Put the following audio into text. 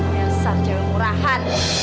biasa jauh murahan